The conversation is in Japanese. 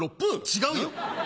違うよ。